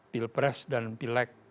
pilpres dan pilek